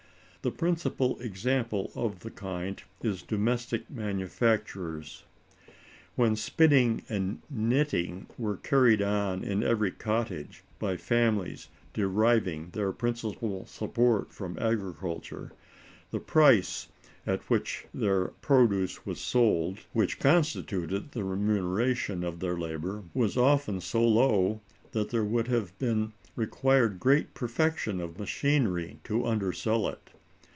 The principal example of the kind is domestic manufactures. When spinning and knitting were carried on in every cottage, by families deriving their principal support from agriculture, the price at which their produce was sold (which constituted the remuneration of their labor) was often so low that there would have been required great perfection of machinery to undersell it.